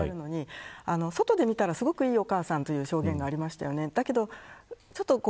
やはり子ども守るべき母親であるのに外で見たらすごくいいお母さんという証言がありましたね。